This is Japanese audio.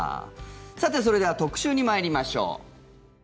さて、それでは特集に参りましょう。